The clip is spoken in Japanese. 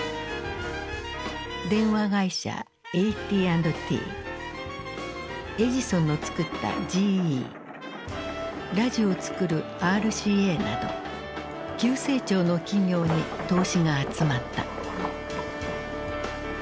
電話会社ＡＴ＆Ｔエジソンの作ったＧＥラジオを作るＲＣＡなど急成長の企業に投資が集まった。